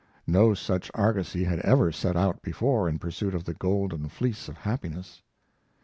No such argosy had ever set out before in pursuit of the golden fleece of happiness.